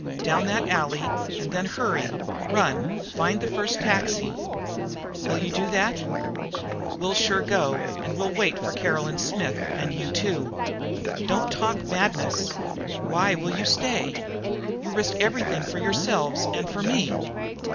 "Down that alley, and then hurry run find the first taxi. Will you do that?" "We'll sure go, and we'll wait for Caroline Smith and you, too!" "Don't talk madness! Why will you stay? You risk everything for yourselves and for me!"